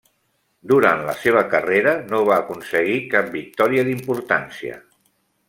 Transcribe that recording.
Durant la seva carrera no va aconseguir cap victòria d'importància.